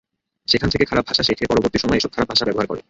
সেখান থেকে খারাপ ভাষা শেখে, পরবর্তী সময়ে এসব খারাপ ভাষা ব্যবহার করে।